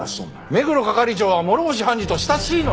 目黒係長は諸星判事と親しいの！？